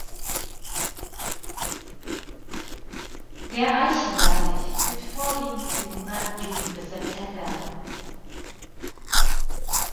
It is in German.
Der Eichen-Lattich blüht vorwiegend in den Monaten Juli bis September.